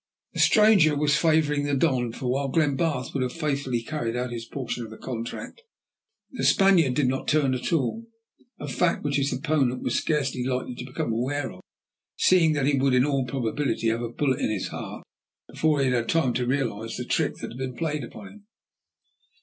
The stranger was favouring the Don, for while Glenbarth would have faithfully carried out his portion of the contract, the Spaniard did not turn at all, a fact which his opponent was scarcely likely to become aware of, seeing that he would in all probability have a bullet in his heart before he would have had time to realize the trick that had been played upon him.